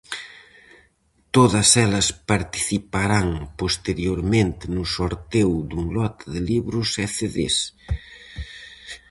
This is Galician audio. Todas elas participarán posteriormente no sorteo dun lote de libros e cedés.